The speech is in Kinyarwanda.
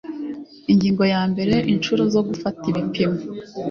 Ingingo yambere Inshuro zo gufata ibipimo